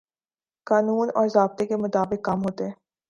قانون اور ضابطے کے مطابق کام ہوتے۔